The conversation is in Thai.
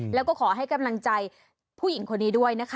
แล้วก็ขอให้กำลังใจผู้หญิงคนนี้ด้วยนะคะ